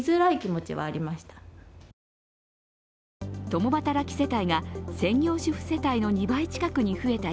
共働き世帯が専業主婦世帯の２倍近くに増えた